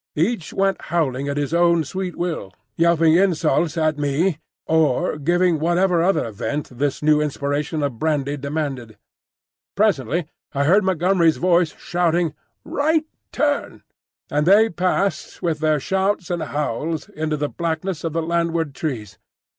Each went howling at his own sweet will, yelping insults at me, or giving whatever other vent this new inspiration of brandy demanded. Presently I heard Montgomery's voice shouting, "Right turn!" and they passed with their shouts and howls into the blackness of the landward trees.